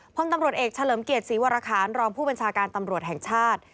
พลตำรวจเอกเฉลิมเกียรติศรีวรคารรองผู้บัญชาการตำรวจแห่งชาติ